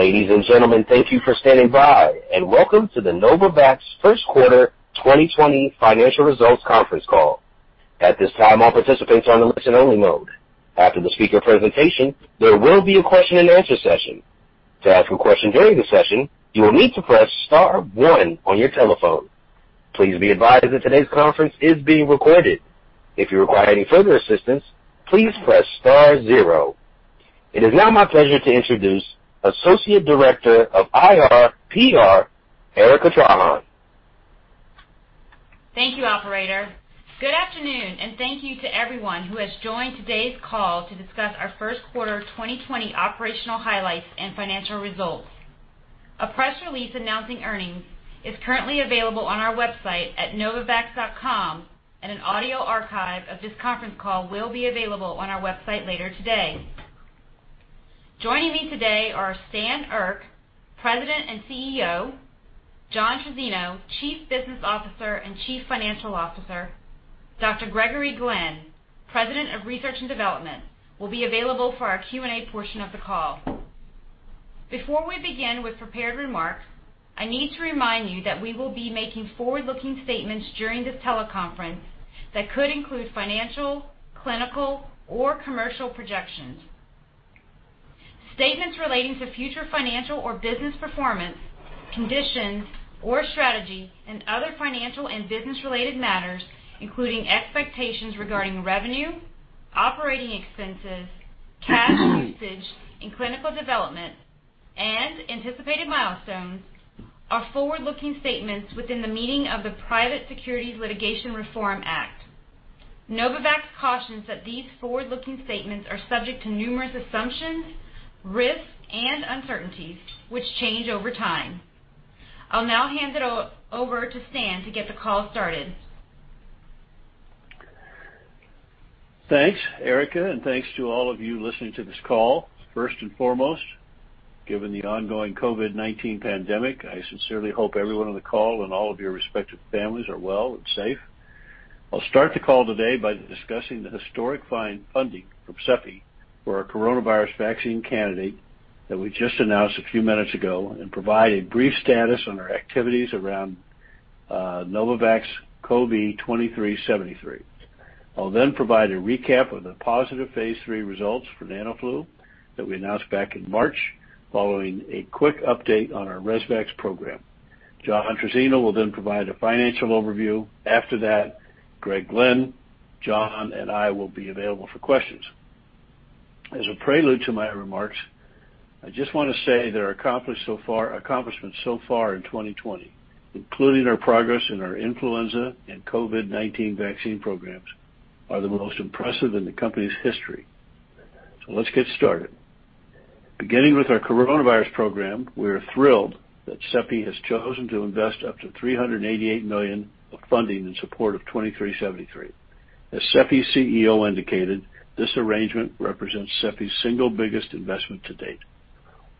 Ladies and gentlemen, thank you for standing by, and welcome to the Novavax First Quarter 2020 Financial Results Conference Call. At this time, all participants are in listen-only mode. After the speaker presentation, there will be a question-and-answer session. To ask a question during the session, you will need to press star one on your telephone. Please be advised that today's conference is being recorded. If you require any further assistance, please press star zero. It is now my pleasure to introduce Associate Director of IR/PR, Erika Trahan. Thank you, Operator. Good afternoon, and thank you to everyone who has joined today's call to discuss our First Quarter 2020 operational highlights and financial results. A press release announcing earnings is currently available on our website at novavax.com, and an audio archive of this conference call will be available on our website later today. Joining me today are Stan Erck, President and CEO. John Trizzino, Chief Business Officer and Chief Financial Officer. Dr. Gregory Glenn, President of Research and Development, will be available for our Q&A portion of the call. Before we begin with prepared remarks, I need to remind you that we will be making forward-looking statements during this teleconference that could include financial, clinical, or commercial projections. Statements relating to future financial or business performance, conditions, or strategy, and other financial and business-related matters, including expectations regarding revenue, operating expenses, cash usage in clinical development, and anticipated milestones, are forward-looking statements within the meaning of the Private Securities Litigation Reform Act. Novavax cautions that these forward-looking statements are subject to numerous assumptions, risks, and uncertainties, which change over time. I'll now hand it over to Stan to get the call started. Thanks, Erika, and thanks to all of you listening to this call. First and foremost, given the ongoing COVID-19 pandemic, I sincerely hope everyone on the call and all of your respective families are well and safe. I'll start the call today by discussing the historic funding from CEPI for our coronavirus vaccine candidate that we just announced a few minutes ago and provide a brief status on our activities around NVX-CoV2373. I'll then provide a recap of the positive phase III results for NanoFlu that we announced back in March, following a quick update on our ResVax program. John Trizzino will then provide a financial overview. After that, Greg Glenn, John, and I will be available for questions. As a prelude to my remarks, I just want to say that our accomplishments so far in 2020, including our progress in our influenza and COVID-19 vaccine programs, are the most impressive in the company's history. So let's get started. Beginning with our coronavirus program, we are thrilled that CEPI has chosen to invest up to $388 million of funding in support of 2373. As CEPI's CEO indicated, this arrangement represents CEPI's single biggest investment to date.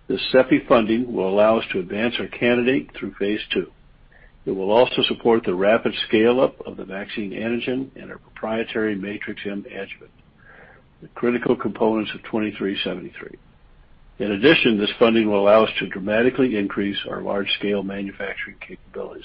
This CEPI funding will allow us to advance our candidate through phase II. It will also support the rapid scale-up of the vaccine antigen and our proprietary Matrix-M adjuvant, the critical components of 2373. In addition, this funding will allow us to dramatically increase our large-scale manufacturing capabilities.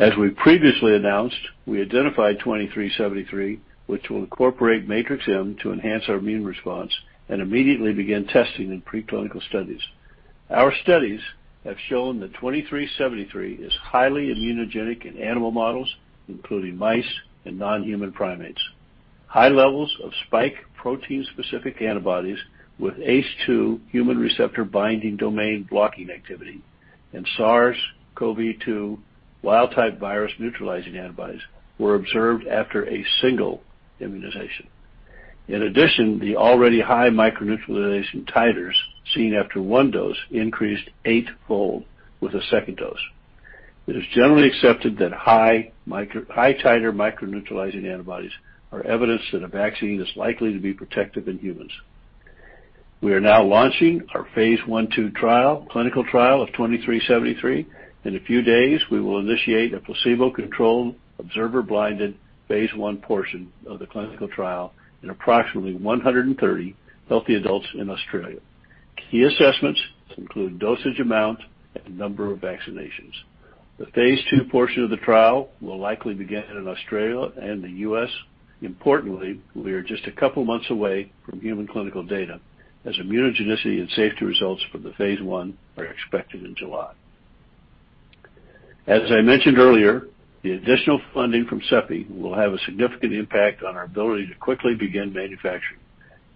As we previously announced, we identified 2373, which will incorporate Matrix-M to enhance our immune response and immediately begin testing in preclinical studies. Our studies have shown that 2373 is highly immunogenic in animal models, including mice and non-human primates. High levels of spike protein-specific antibodies with ACE2 human receptor binding domain blocking activity, and SARS-CoV-2 wild-type virus neutralizing antibodies were observed after a single immunization. In addition, the already high microneutralization titers seen after one dose increased eightfold with a second dose. It is generally accepted that high-titer microneutralizing antibodies are evidence that a vaccine is likely to be protective in humans. We are now launching our phase I/II clinical trial of 2373. In a few days, we will initiate a placebo-controlled, observer-blinded phase I portion of the clinical trial in approximately 130 healthy adults in Australia. Key assessments include dosage amount and number of vaccinations. The phase II portion of the trial will likely begin in Australia and the U.S. Importantly, we are just a couple of months away from human clinical data as immunogenicity and safety results for the phase I are expected in July. As I mentioned earlier, the additional funding from CEPI will have a significant impact on our ability to quickly begin manufacturing.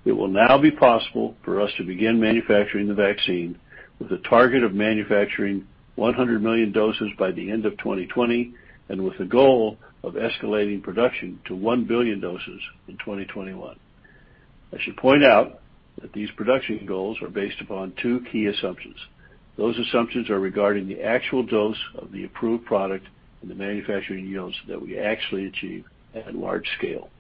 It will now be possible for us to begin manufacturing the vaccine with a target of manufacturing 100 million doses by the end of 2020 and with a goal of escalating production to one billion doses in 2021. I should point out that these production goals are based upon two key assumptions. Those assumptions are regarding the actual dose of the approved product and the manufacturing yields that we actually achieve at large scale.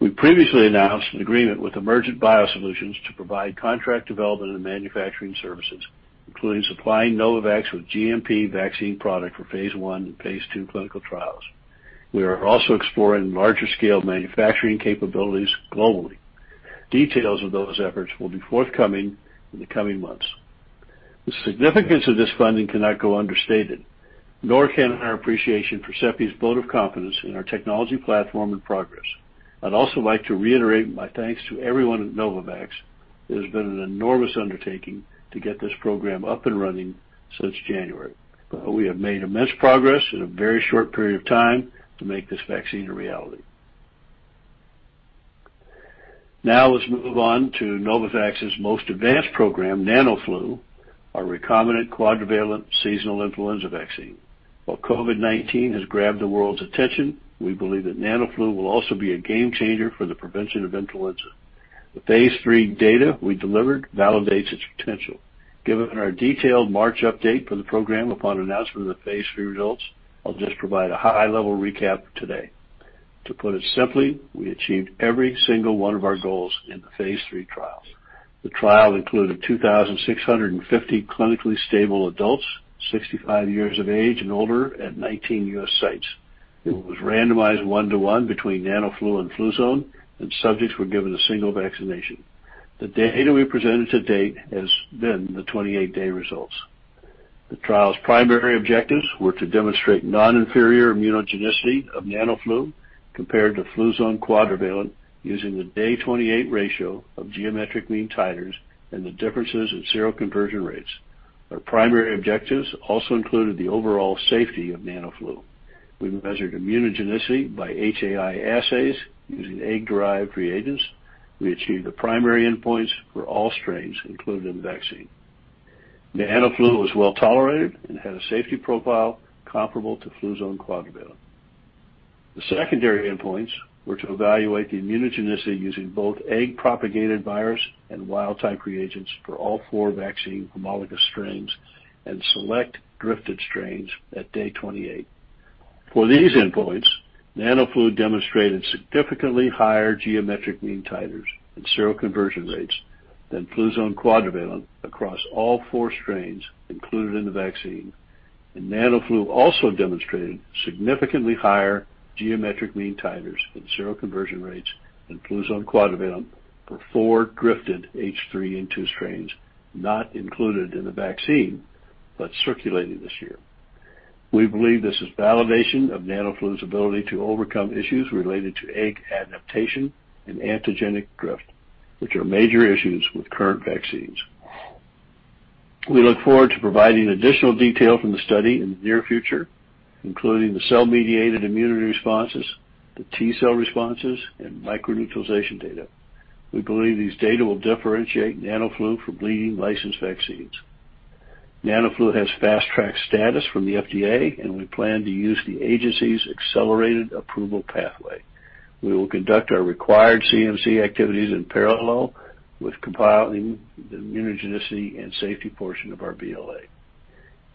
We previously announced an agreement with Emergent BioSolutions to provide contract development and manufacturing services, including supplying Novavax with GMP vaccine product for phase I and phase II clinical trials. We are also exploring larger-scale manufacturing capabilities globally. Details of those efforts will be forthcoming in the coming months. The significance of this funding cannot go understated, nor can our appreciation for CEPI's vote of confidence in our technology platform and progress. I'd also like to reiterate my thanks to everyone at Novavax. It has been an enormous undertaking to get this program up and running since January. We have made immense progress in a very short period of time to make this vaccine a reality. Now let's move on to Novavax's most advanced program, NanoFlu, our recombinant quadrivalent seasonal influenza vaccine. While COVID-19 has grabbed the world's attention, we believe that NanoFlu will also be a game changer for the prevention of influenza. The phase III data we delivered validates its potential. Given our detailed March update for the program upon announcement of the phase III results, I'll just provide a high-level recap today. To put it simply, we achieved every single one of our goals in the phase III trial. The trial included 2,650 clinically stable adults, 65 years of age and older, at 19 U.S. sites. It was randomized one-to-one between NanoFlu and Fluzone, and subjects were given a single vaccination. The data we presented to date has been the 28-day results. The trial's primary objectives were to demonstrate non-inferior immunogenicity of NanoFlu compared to Fluzone Quadrivalent using the day-28 ratio of geometric mean titers and the differences in seroconversion rates. Our primary objectives also included the overall safety of NanoFlu. We measured immunogenicity by HAI assays using egg-derived reagents. We achieved the primary endpoints for all strains included in the vaccine. NanoFlu was well tolerated and had a safety profile comparable to Fluzone Quadrivalent. The secondary endpoints were to evaluate the immunogenicity using both egg-propagated virus and wild-type reagents for all four vaccine homologous strains and select drifted strains at day 28. For these endpoints, NanoFlu demonstrated significantly higher geometric mean titers and seroconversion rates than Fluzone Quadrivalent across all four strains included in the vaccine. NanoFlu also demonstrated significantly higher geometric mean titers and seroconversion rates than Fluzone Quadrivalent for four drifted H3N2 strains not included in the vaccine but circulating this year. We believe this is validation of NanoFlu’s ability to overcome issues related to egg adaptation and antigenic drift, which are major issues with current vaccines. We look forward to providing additional detail from the study in the near future, including the cell-mediated immunity responses, the T-cell responses, and microneutralization data. We believe these data will differentiate NanoFlu from leading licensed vaccines. NanoFlu has Fast Track status from the FDA, and we plan to use the agency’s Accelerated Approval Pathway. We will conduct our required CMC activities in parallel with compiling the immunogenicity and safety portion of our BLA.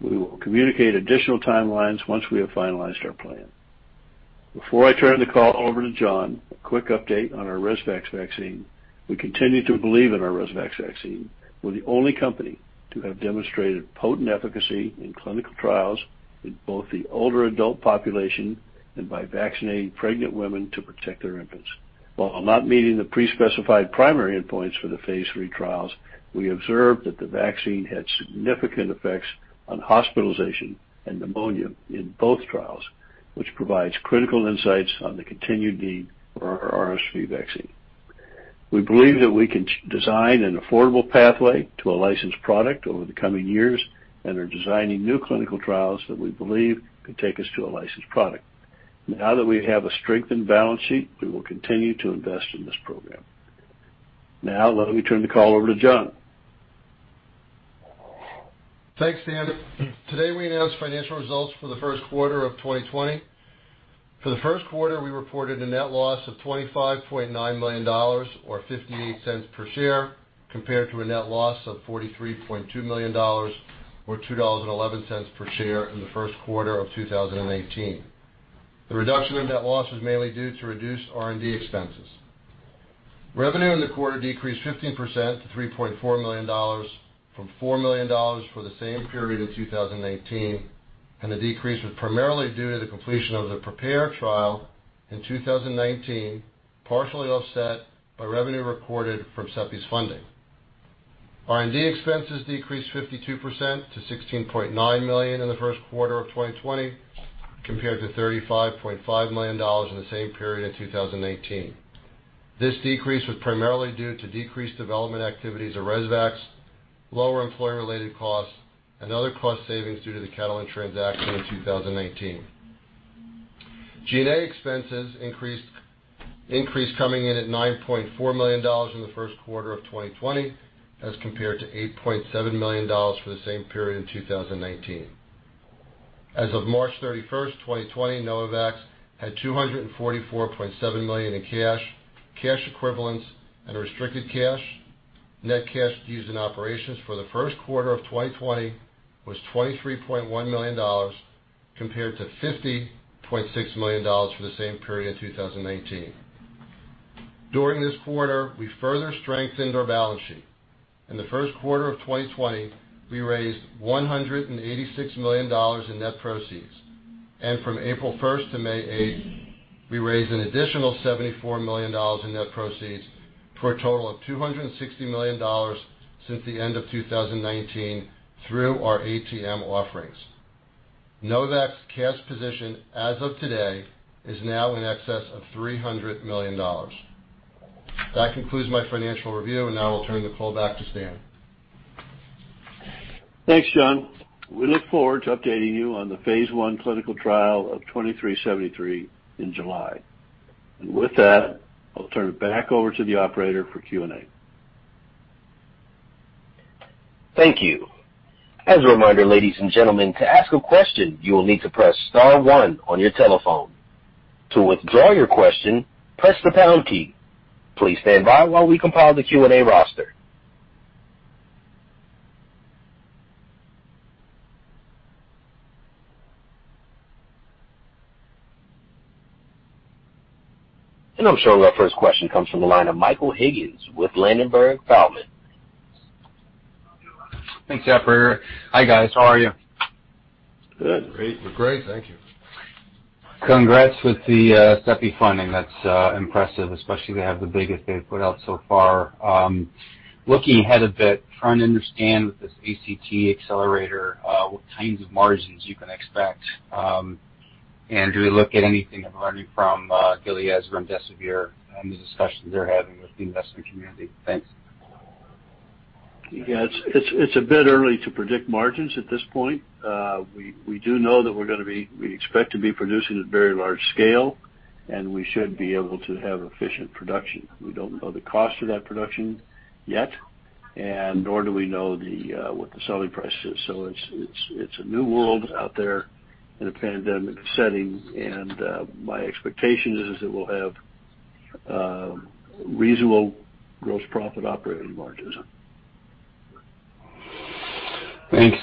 We will communicate additional timelines once we have finalized our plan. Before I turn the call over to John, a quick update on our ResVax vaccine. We continue to believe in our ResVax vaccine. We're the only company to have demonstrated potent efficacy in clinical trials in both the older adult population and by vaccinating pregnant women to protect their infants. While not meeting the pre-specified primary endpoints for the phase III trials, we observed that the vaccine had significant effects on hospitalization and pneumonia in both trials, which provides critical insights on the continued need for our RSV vaccine. We believe that we can design an affordable pathway to a licensed product over the coming years and are designing new clinical trials that we believe could take us to a licensed product. Now that we have a strengthened balance sheet, we will continue to invest in this program. Now, let me turn the call over to John. Thanks, Stan. Today, we announced financial results for the first quarter of 2020. For the first quarter, we reported a net loss of $25.9 million, or 58 cents per share, compared to a net loss of $43.2 million, or $2.11 per share in the first quarter of 2018. The reduction in net loss was mainly due to reduced R&D expenses. Revenue in the quarter decreased 15% to $3.4 million, from $4 million for the same period in 2019, and the decrease was primarily due to the completion of the PREPARE trial in 2019, partially offset by revenue recorded from CEPI's funding. R&D expenses decreased 52% to $16.9 million in the first quarter of 2020, compared to $35.5 million in the same period in 2019. This decrease was primarily due to decreased development activities of ResVax, lower employee-related costs, and other cost savings due to the Catalent transaction in 2019. G&A expenses increased coming in at $9.4 million in the first quarter of 2020, as compared to $8.7 million for the same period in 2019. As of March 31st, 2020, Novavax had $244.7 million in cash, cash equivalents, and restricted cash. Net cash used in operations for the first quarter of 2020 was $23.1 million, compared to $50.6 million for the same period in 2019. During this quarter, we further strengthened our balance sheet. In the first quarter of 2020, we raised $186 million in net proceeds. From April 1st to May 8th, we raised an additional $74 million in net proceeds for a total of $260 million since the end of 2019 through our ATM offerings. Novavax's cash position, as of today, is now in excess of $300 million. That concludes my financial review, and now I'll turn the call back to Stan. Thanks, John. We look forward to updating you on the phase I clinical trial of 2373 in July. And with that, I'll turn it back over to the operator for Q&A. Thank you. As a reminder, ladies and gentlemen, to ask a question, you will need to press star one on your telephone. To withdraw your question, press the pound key. Please stand by while we compile the Q&A roster, and I'm showing our first question comes from the line of Michael Higgins with Ladenburg Thalmann. Thanks, operator. Hi, guys. How are you? Good. Great. We're great. Thank you. Congrats with the CEPI funding. That's impressive, especially to have the biggest they've put out so far. Looking ahead a bit, trying to understand with this ACT-Accelerator what kinds of margins you can expect. And do we look at anything of learning from Gilead's remdesivir and the discussions they're having with the investment community? Thanks. Yeah. It's a bit early to predict margins at this point. We do know that we expect to be producing at very large scale, and we should be able to have efficient production. We don't know the cost of that production yet, and nor do we know what the selling price is. So it's a new world out there in a pandemic setting, and my expectation is that we'll have reasonable gross profit operating margins. Thanks.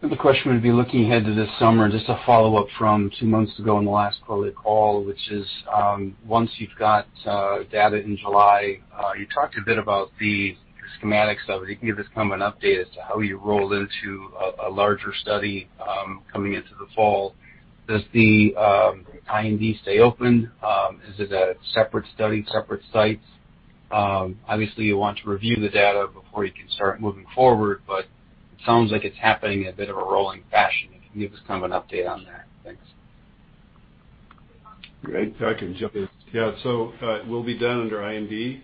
The question would be looking ahead to this summer, just a follow-up from two months ago in the last quarter call, which is once you've got data in July, you talked a bit about the schematics of it. You can give us kind of an update as to how you rolled into a larger study coming into the fall. Does the IND stay open? Is it a separate study, separate sites? Obviously, you want to review the data before you can start moving forward, but it sounds like it's happening in a bit of a rolling fashion. Can you give us kind of an update on that? Thanks. Great. I can jump in. Yeah, so it will be done under IND.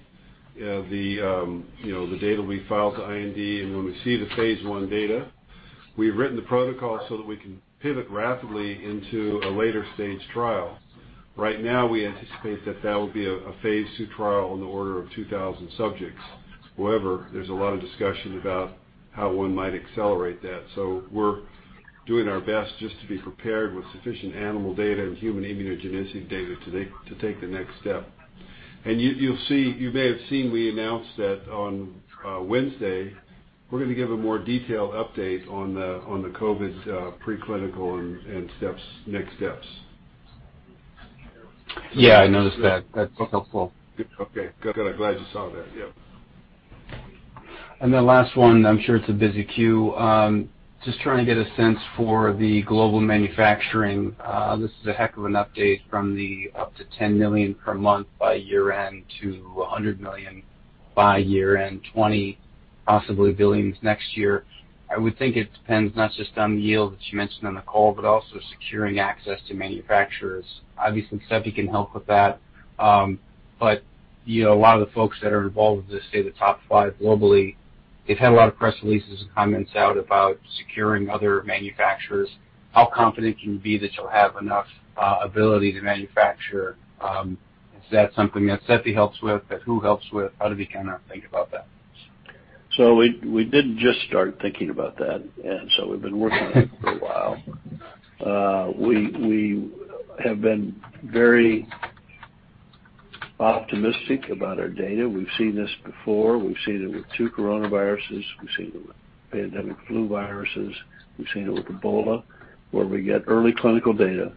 The data will be filed to IND, and when we see the phase I data, we've written the protocol so that we can pivot rapidly into a later stage trial. Right now, we anticipate that that will be a phase II trial in the order of 2,000 subjects. However, there's a lot of discussion about how one might accelerate that, so we're doing our best just to be prepared with sufficient animal data and human immunogenicity data to take the next step. And you may have seen we announced that on Wednesday. We're going to give a more detailed update on the COVID preclinical and next steps. Yeah. I noticed that. That's helpful. Okay. Good. I'm glad you saw that. Yeah. Then last one, I'm sure it's a busy queue. Just trying to get a sense for the global manufacturing. This is a heck of an update from up to 10 million per month by year-end to 100 million by year-end, to possibly billions next year. I would think it depends not just on the yield that you mentioned on the call, but also securing access to manufacturers. Obviously, CEPI can help with that. But a lot of the folks that are involved with this, say the top five globally, they've had a lot of press releases and comments out about securing other manufacturers. How confident can you be that you'll have enough ability to manufacture? Is that something that CEPI helps with? Who helps with? How do we kind of think about that? So we did just start thinking about that, and so we've been working on it for a while. We have been very optimistic about our data. We've seen this before. We've seen it with two coronaviruses. We've seen it with pandemic flu viruses. We've seen it with Ebola, where we get early clinical data,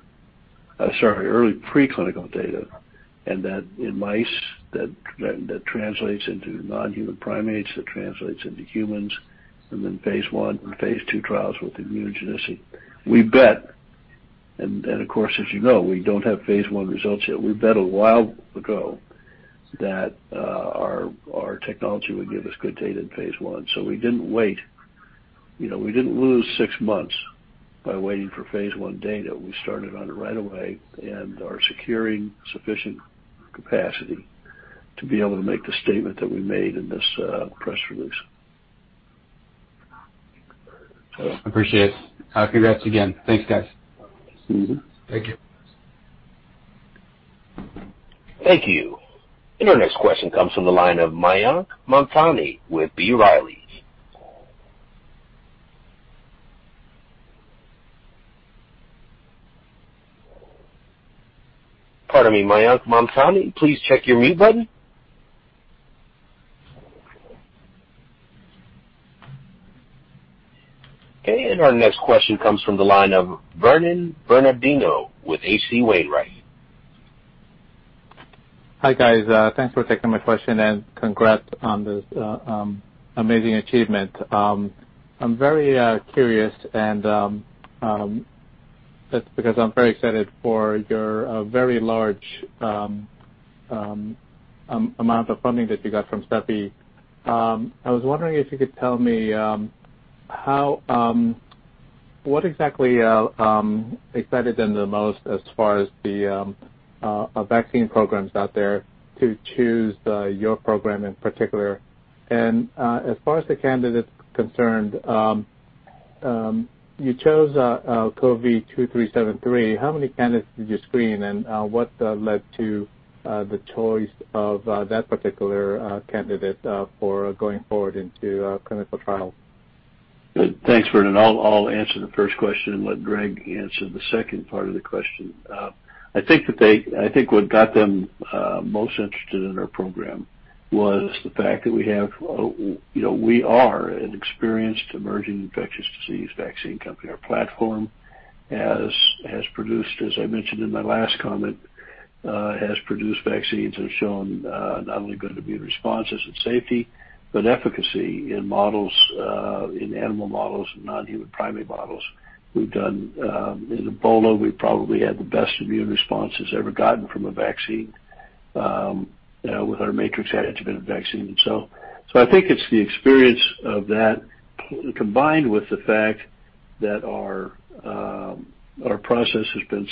sorry, early preclinical data, and that in mice, that translates into non-human primates, that translates into humans, and then phase I and phase II trials with immunogenicity. We bet, and of course, as you know, we don't have phase I results yet. We bet a while ago that our technology would give us good data in phase I. So we didn't wait. We didn't lose six months by waiting for phase I data. We started on it right away and are securing sufficient capacity to be able to make the statement that we made in this press release. I appreciate it. Congrats again. Thanks, guys. Thank you. Thank you. And our next question comes from the line of Mayank Mamtani with B. Riley. Pardon me, Mayank Mamtani, please check your mute button. And our next question comes from the line of Vernon Bernardino with H.C. Wainwright. Hi, guys. Thanks for taking my question and congrats on this amazing achievement. I'm very curious, and that's because I'm very excited for your very large amount of funding that you got from CEPI. I was wondering if you could tell me what exactly excited them the most as far as the vaccine programs out there to choose your program in particular. And as far as the candidates concerned, you chose NVX-CoV2373. How many candidates did you screen, and what led to the choice of that particular candidate for going forward into clinical trials? Thanks, Vernon. I'll answer the first question and let Greg answer the second part of the question. I think what got them most interested in our program was the fact that we have, we are an experienced emerging infectious disease vaccine company. Our platform, as I mentioned in my last comment, has produced vaccines that have shown not only good immune responses and safety but efficacy in animal models and non-human primate models. In Ebola, we probably had the best immune responses ever gotten from a vaccine with our Matrix-M antigen vaccine. And so I think it's the experience of that combined with the fact that our process has been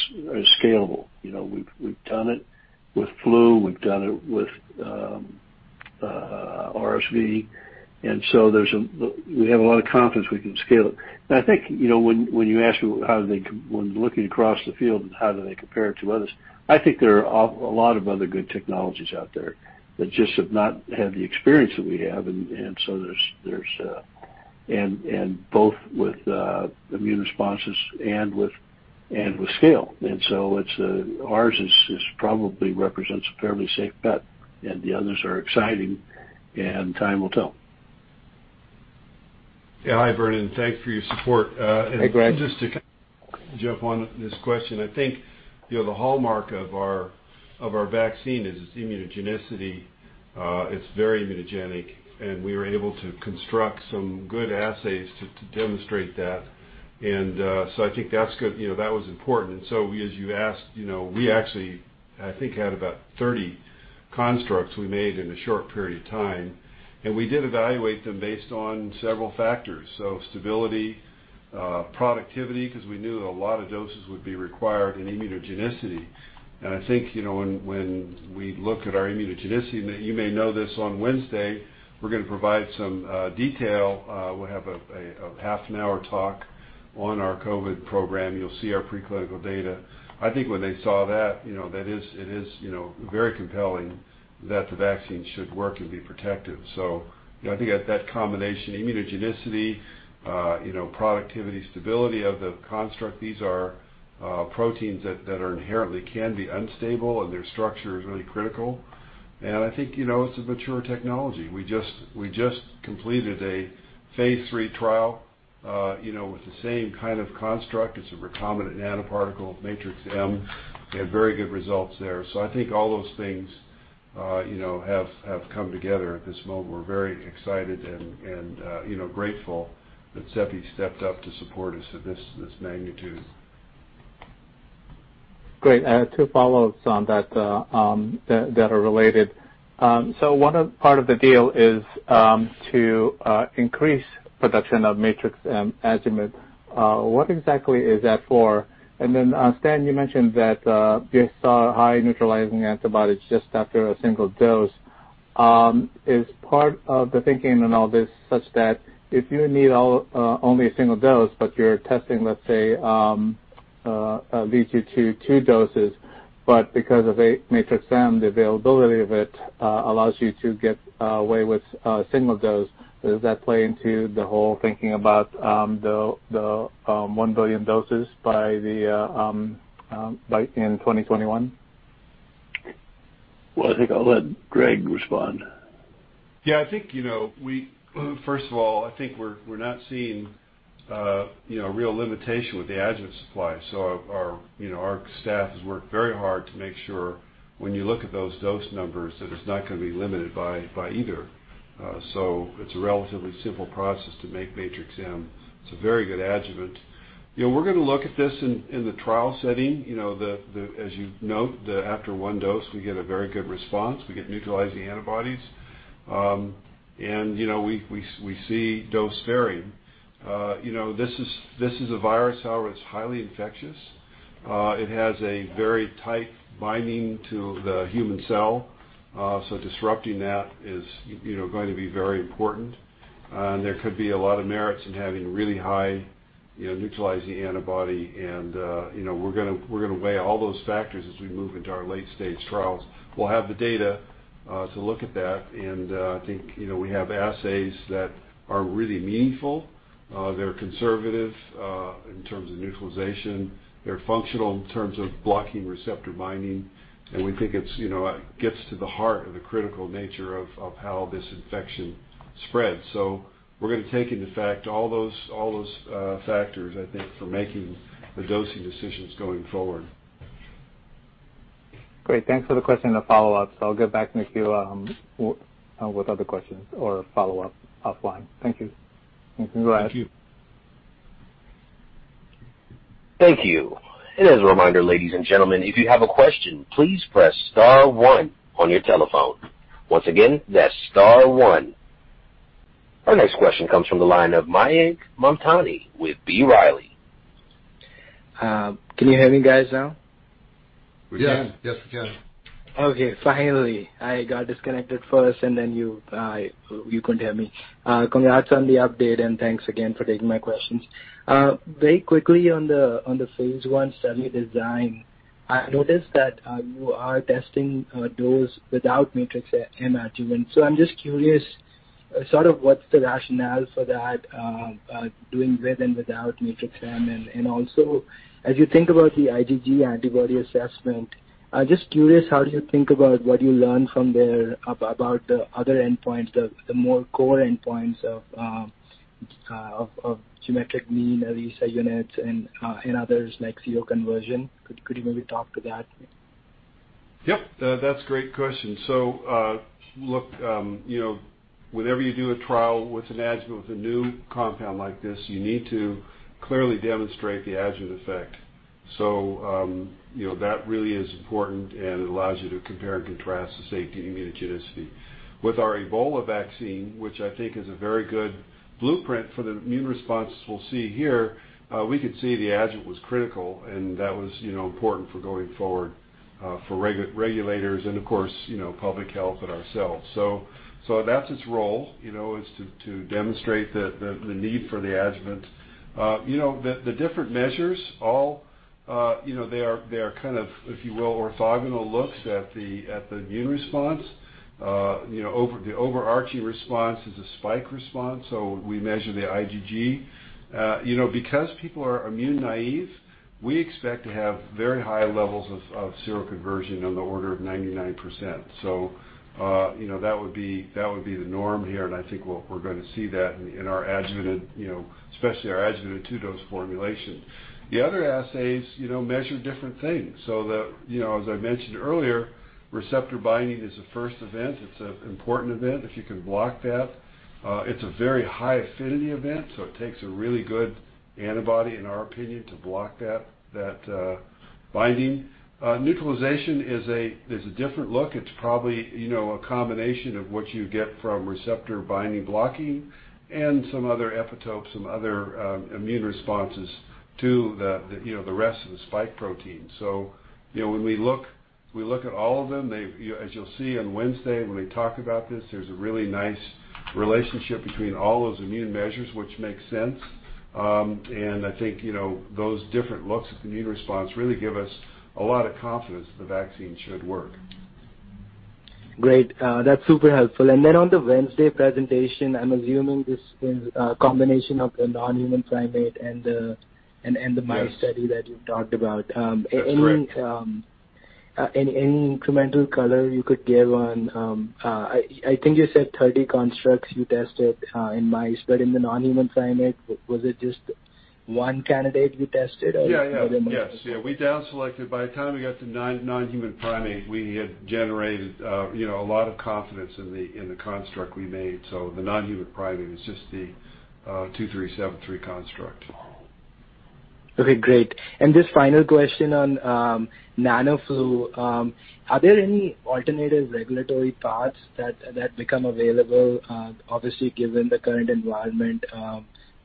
scalable. We've done it with flu. We've done it with RSV. And so we have a lot of confidence we can scale it. And I think when you ask me how they, when looking across the field and how do they compare it to others, I think there are a lot of other good technologies out there that just have not had the experience that we have. And so there's both with immune responses and with scale. And so ours probably represents a fairly safe bet, and the others are exciting, and time will tell. Yeah. Hi, Vernon. Thanks for your support. Hey, Greg. And just to jump on this question, I think the hallmark of our vaccine is its immunogenicity. It's very immunogenic, and we were able to construct some good assays to demonstrate that. And so I think that's good. That was important. And so as you asked, we actually, I think, had about 30 constructs we made in a short period of time. And we did evaluate them based on several factors: stability, productivity, because we knew a lot of doses would be required, and immunogenicity. And I think when we look at our immunogenicity, you may know this, on Wednesday, we're going to provide some detail. We'll have a half-hour talk on our COVID program. You'll see our preclinical data. I think when they saw that, it is very compelling that the vaccine should work and be protective. I think that combination, immunogenicity, productivity, stability of the construct, these are proteins that inherently can be unstable, and their structure is really critical. And I think it's a mature technology. We just completed a phase III trial with the same kind of construct. It's a recombinant nanoparticle Matrix-M. We had very good results there. So I think all those things have come together at this moment. We're very excited and grateful that CEPI stepped up to support us at this magnitude. Great. Two follow-ups on that that are related. So one part of the deal is to increase production of Matrix-M adjuvant. What exactly is that for? And then, Stan, you mentioned that you saw high neutralizing antibodies just after a single dose. Is part of the thinking in all this such that if you need only a single dose, but your testing, let's say, leads you to two doses, but because of Matrix-M, the availability of it allows you to get away with a single dose, does that play into the whole thinking about the 1 billion doses by 2021? I think I'll let Greg respond. Yeah. I think, first of all, I think we're not seeing a real limitation with the adjuvant supply. So our staff has worked very hard to make sure when you look at those dose numbers that it's not going to be limited by either. So it's a relatively simple process to make Matrix-M. It's a very good adjuvant. We're going to look at this in the trial setting. As you note, after one dose, we get a very good response. We get neutralizing antibodies, and we see dose sparing. This is a virus. However, it's highly infectious. It has a very tight binding to the human cell. So disrupting that is going to be very important. And there could be a lot of merits in having really high neutralizing antibody. And we're going to weigh all those factors as we move into our late-stage trials. We'll have the data to look at that. And I think we have assays that are really meaningful. They're conservative in terms of neutralization. They're functional in terms of blocking receptor binding. And we think it gets to the heart of the critical nature of how this infection spreads. So we're going to take into effect all those factors, I think, for making the dosing decisions going forward. Great. Thanks for the question and the follow-ups. I'll get back to you with other questions or follow-up offline. Thank you. Thank you very much. Thank you. Thank you. And as a reminder, ladies and gentlemen, if you have a question, please press star one on your telephone. Once again, that's star one. Our next question comes from the line of Mayank Mamtani with B. Riley. Can you hear me, guys, now? We can. Yes, we can. Okay. Finally, I got disconnected first, and then you couldn't hear me. Congrats on the update, and thanks again for taking my questions. Very quickly, on the phase I study design, I noticed that you are testing those without Matrix-M adjuvant. So I'm just curious sort of what's the rationale for that doing with and without Matrix-M. And also, as you think about the IgG antibody assessment, I'm just curious how do you think about what you learned from there about the other endpoints, the more core endpoints of geometric mean, ELISA units, and others like seroconversion? Could you maybe talk to that? Yep. That's a great question. So look, whenever you do a trial with an adjuvant with a new compound like this, you need to clearly demonstrate the adjuvant effect. So that really is important, and it allows you to compare and contrast the safety and immunogenicity. With our Ebola vaccine, which I think is a very good blueprint for the immune responses we'll see here, we could see the adjuvant was critical, and that was important for going forward for regulators and, of course, public health and ourselves. So that's its role: to demonstrate the need for the adjuvant. The different measures, all they are kind of, if you will, orthogonal looks at the immune response. The overarching response is a spike response. So we measure the IgG. Because people are immune naive, we expect to have very high levels of seroconversion on the order of 99%. So that would be the norm here, and I think we're going to see that in our adjuvant, especially our adjuvant at two-dose formulation. The other assays measure different things. So as I mentioned earlier, receptor binding is a first event. It's an important event if you can block that. It's a very high affinity event, so it takes a really good antibody, in our opinion, to block that binding. Neutralization is a different look. It's probably a combination of what you get from receptor binding blocking and some other epitopes, some other immune responses to the rest of the spike protein. So when we look at all of them, as you'll see on Wednesday when we talk about this, there's a really nice relationship between all those immune measures, which makes sense. I think those different looks at the immune response really give us a lot of confidence that the vaccine should work. Great. That's super helpful. And then on the Wednesday presentation, I'm assuming this is a combination of the non-human primate and the mice study that you've talked about. Any incremental color you could give on? I think you said 30 constructs you tested in mice, but in the non-human primate, was it just one candidate you tested or were there more? We downselected. By the time we got to non-human primate, we had generated a lot of confidence in the construct we made, so the non-human primate is just the 2373 construct. Okay. Great, and this final question on NanoFlu, are there any alternative regulatory paths that become available, obviously, given the current environment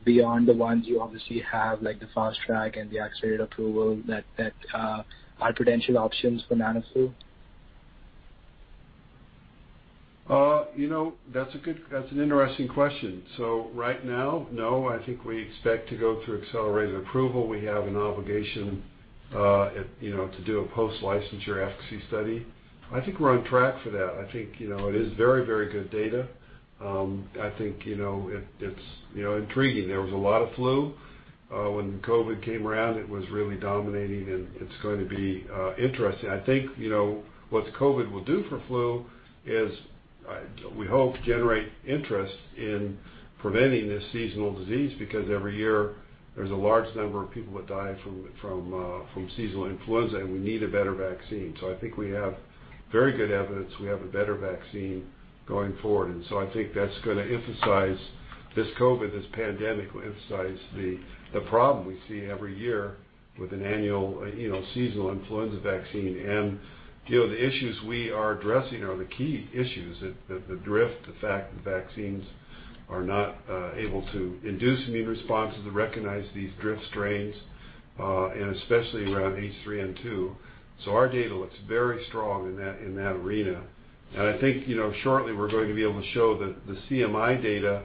beyond the ones you obviously have, like the fast track and the accelerated approval, that are potential options for NanoFlu? That's an interesting question. So right now, no. I think we expect to go through accelerated approval. We have an obligation to do a post-licensure efficacy study. I think we're on track for that. I think it is very, very good data. I think it's intriguing. There was a lot of flu. When COVID came around, it was really dominating, and it's going to be interesting. I think what COVID will do for flu is, we hope, generate interest in preventing this seasonal disease because every year there's a large number of people that die from seasonal influenza, and we need a better vaccine. So I think we have very good evidence we have a better vaccine going forward. And so I think that's going to emphasize this COVID, this pandemic will emphasize the problem we see every year with an annual seasonal influenza vaccine. The issues we are addressing are the key issues: the drift, the fact that vaccines are not able to induce immune responses and recognize these drift strains, and especially around H3N2. So our data looks very strong in that arena. And I think shortly we're going to be able to show that the CMI data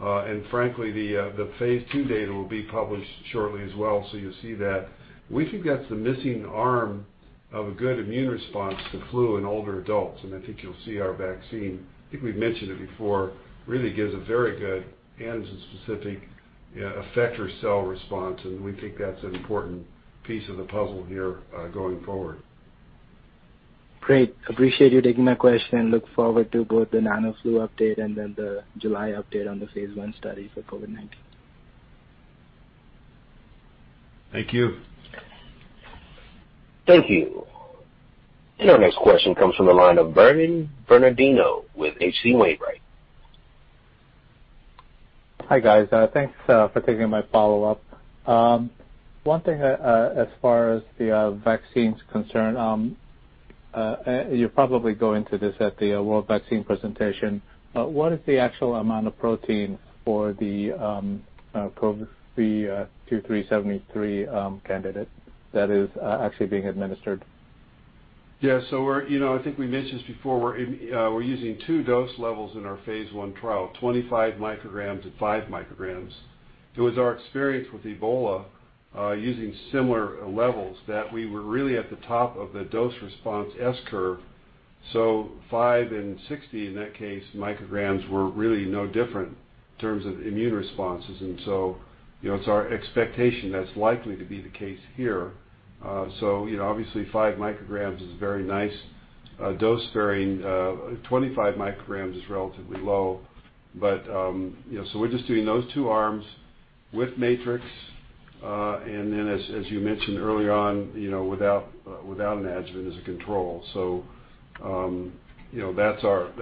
and, frankly, the phase II data will be published shortly as well. So you'll see that. We think that's the missing arm of a good immune response to flu in older adults. And I think you'll see our vaccine, I think we've mentioned it before, really gives a very good antigen-specific effector cell response. And we think that's an important piece of the puzzle here going forward. Great. Appreciate you taking my question. Look forward to both the NanoFlu update and then the July update on the phase I study for COVID-19. Thank you. Thank you. And our next question comes from the line of Vernon Bernardino with H.C. Wainwright. Hi, guys. Thanks for taking my follow-up. One thing as far as the vaccine's concerned, you'll probably go into this at the World Vaccine Presentation. What is the actual amount of protein for the NVX-CoV2373 candidate that is actually being administered? Yeah. So I think we mentioned this before. We're using two dose levels in our phase I trial: 25mcg and 5mcg. It was our experience with Ebola using similar levels that we were really at the top of the dose response S-curve. So 5 and 60, in that case, micrograms were really no different in terms of immune responses. And so it's our expectation that's likely to be the case here. So obviously, 5mcg is a very nice dose sparing, 25mcg is relatively low. But so we're just doing those two arms with Matrix-M. And then, as you mentioned earlier on, without an adjuvant as a control. So that's our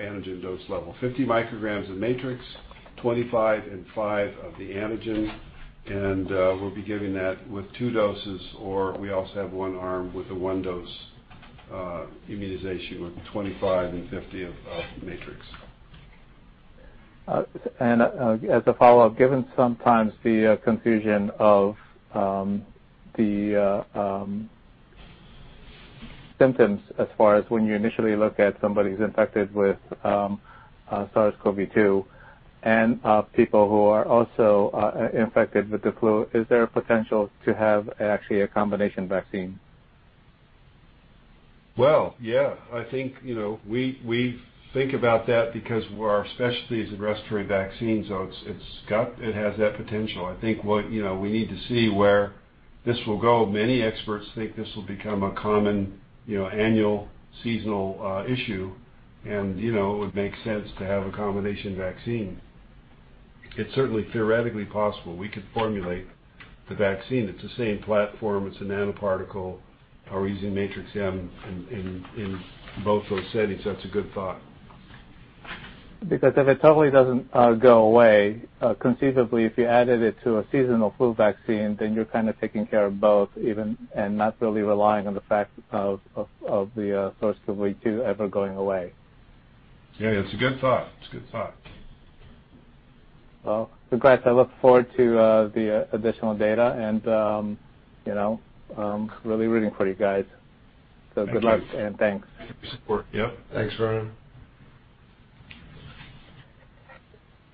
antigen dose level: 50mcg of Matrix-M, 25 and 5 of the antigen, and we'll be giving that with two doses, or we also have one arm with a one-dose immunization with 25 and 50 of Matrix-M. As a follow-up, given sometimes the confusion of the symptoms as far as when you initially look at somebody who's infected with SARS-CoV-2 and people who are also infected with the flu, is there a potential to have actually a combination vaccine? Yeah. I think we think about that because our specialty is in respiratory vaccines, so it has that potential. I think we need to see where this will go. Many experts think this will become a common annual seasonal issue, and it would make sense to have a combination vaccine. It's certainly theoretically possible. We could formulate the vaccine. It's the same platform. It's a nanoparticle. We're using Matrix-M in both those settings. That's a good thought. Because if it totally doesn't go away, conceivably, if you added it to a seasonal flu vaccine, then you're kind of taking care of both and not really relying on the fact of the SARS-CoV-2 ever going away. Yeah. It's a good thought. It's a good thought. Congrats. I look forward to the additional data and really rooting for you guys. Good luck and thanks. Thank you for your support. Yep. Thanks, Vernon.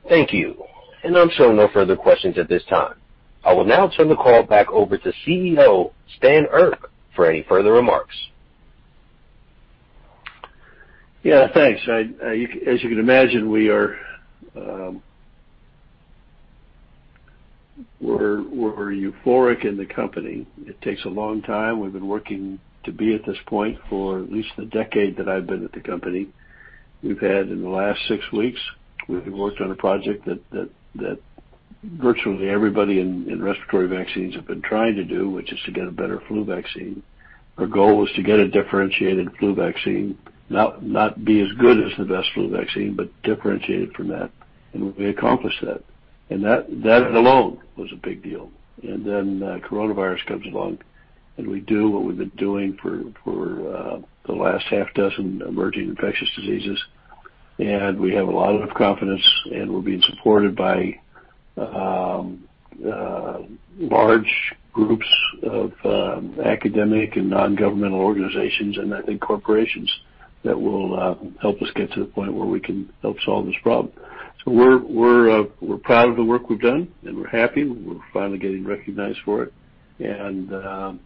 Thank you. And I'm showing no further questions at this time. I will now turn the call back over to CEO Stan Erck for any further remarks. Yeah. Thanks. As you can imagine, we are euphoric in the company. It takes a long time. We've been working to be at this point for at least the decade that I've been at the company. In the last six weeks, we've worked on a project that virtually everybody in respiratory vaccines has been trying to do, which is to get a better flu vaccine. Our goal was to get a differentiated flu vaccine, not be as good as the best flu vaccine, but differentiated from that. And we accomplished that. And that alone was a big deal. And then coronavirus comes along, and we do what we've been doing for the last half dozen emerging infectious diseases. And we have a lot of confidence, and we're being supported by large groups of academic and non-governmental organizations and, I think, corporations that will help us get to the point where we can help solve this problem. So we're proud of the work we've done, and we're happy. We're finally getting recognized for it. And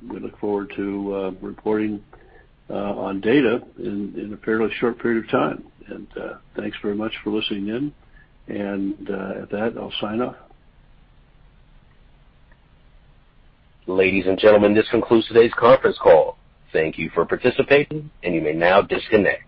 we look forward to reporting on data in a fairly short period of time. And thanks very much for listening in. And at that, I'll sign off. Ladies and gentlemen, this concludes today's conference call. Thank you for participating, and you may now disconnect.